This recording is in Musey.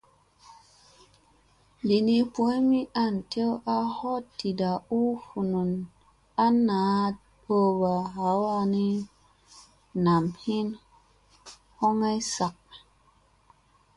Lini boy mi aŋ tew a hoɗ ɗiɗa u vunun ana aa ɗowɓa hawaa nani nam mi hoŋgo zak.